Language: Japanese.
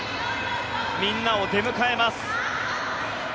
みんなを出迎えます。